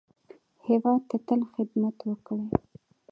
هېواد ته تل خدمت وکړئ